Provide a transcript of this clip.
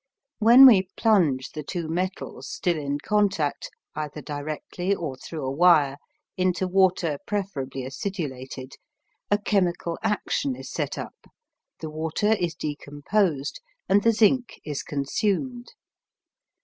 When we plunge the two metals, still in contact, either directly or through a wire, into water preferably acidulated, a chemical action is set up, the water is decomposed, and the zinc is consumed.